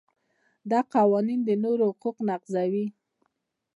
دا قوانین د نورو حقوق نقضوي.